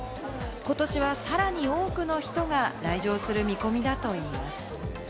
ことしはさらに多くの人が来場する見込みだといいます。